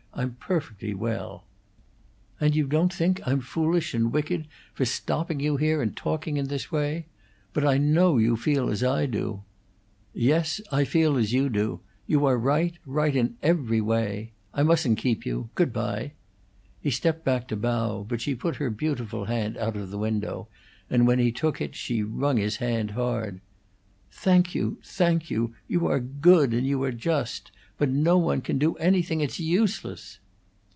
"I'm perfectly well " "And you don't think I'm foolish and wicked for stopping you here and talking in this way? But I know you feel as I do!" "Yes, I feel as you do. You are right right in every way I mustn't keep you Good bye." He stepped back to bow, but she put her beautiful hand out of the window, and when he took it she wrung his hand hard. "Thank you, thank you! You are good and you are just! But no one can do anything. It's useless!"